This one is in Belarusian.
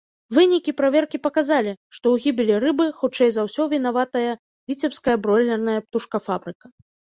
Вынікі праверкі паказалі, што ў гібелі рыбы хутчэй за ўсё вінаватая віцебская бройлерная птушкафабрыка.